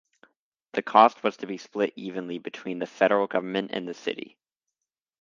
The cost was to be split evenly between the Federal Government and the city.